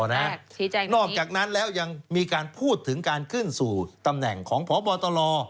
นอกจากนั้นแล้วยังมีการพูดถึงการขึ้นสู่ตำแหน่งของพบตล